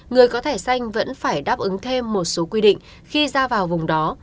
người có thẻ xanh vẫn phải đáp ứng thêm một số quy định khi ra vào vùng đó